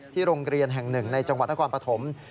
โรงเรียนแห่งหนึ่งในจังหวัดนครปฐม